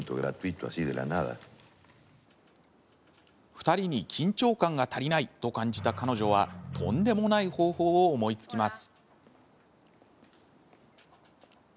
２人に緊張感が足りないと感じた彼女はとんでもない方法を思いつきます。